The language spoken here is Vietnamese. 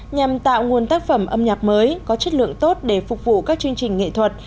nhằm tạo nguồn tác phẩm âm nhạc mới có chất lượng tốt để phục vụ các chương trình nghệ thuật